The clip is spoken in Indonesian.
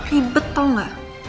ribet tau nggak